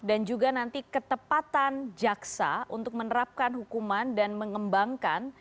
juga nanti ketepatan jaksa untuk menerapkan hukuman dan mengembangkan